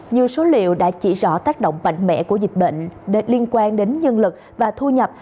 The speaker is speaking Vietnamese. nhiều số liệu đã chỉ rõ tác động mạnh mẽ của dịch bệnh liên quan đến nhân lực và thu nhập